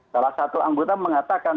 salah satu anggota mengatakan